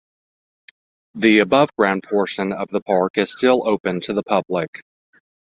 The above ground portion of the Park is still open to the public.